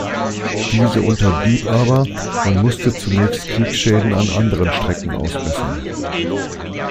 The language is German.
Diese unterblieb aber, man musste zunächst Kriegsschäden an anderen Strecken ausbessern.